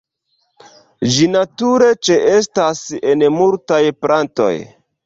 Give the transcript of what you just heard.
Ĝi nature ĉeestas en multaj plantoj.